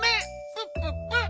プププ！